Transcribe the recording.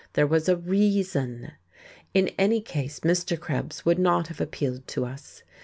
There was a Reason! In any case Mr. Krebs would not have appealed to us.